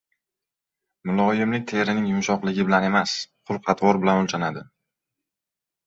• Muloyimlik terining yumshoqligi bilan emas, xulq-atvor bilan o‘lchanadi.